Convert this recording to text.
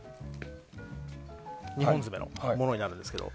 ２本爪のものになるんですけど。